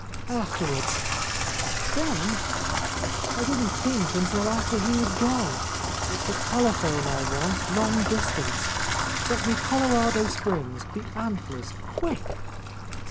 After wards. Ben? I didn't think until after he was gone. It's the telephone I want, long distance. 1 — 129 — A Lost Lady Get me Colorado Springs, the Antlers, quick!"